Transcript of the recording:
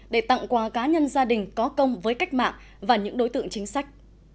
để tặng quà cá nhân gia đình có công với cách mạng và những đối tượng chính sách